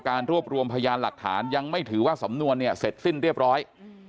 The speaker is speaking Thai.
รวบรวมพยานหลักฐานยังไม่ถือว่าสำนวนเนี่ยเสร็จสิ้นเรียบร้อย